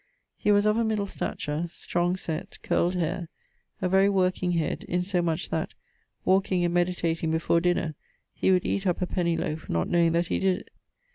He was of a middle stature; strong sett; curled haire; a very working head, in so much that, walking and meditating before dinner, he would eate up a penny loafe, not knowing that he did it.